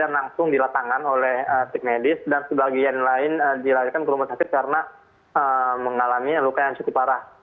korban luka ini ada yang dirawat di medan langsung di latangan oleh tik medis dan sebagian lain diralikan ke rumah sakit karena mengalami luka yang cukup parah